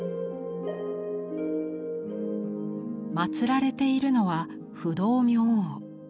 祀られているのは不動明王。